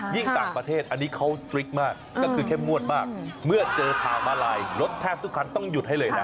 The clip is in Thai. ต่างประเทศอันนี้เขาสตริกมากก็คือเข้มงวดมากเมื่อเจอทางมาลายรถแทบทุกคันต้องหยุดให้เลยนะ